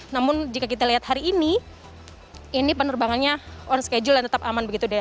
namun jika kita lihat hari ini ini penerbangannya on schedule dan tetap aman begitu dea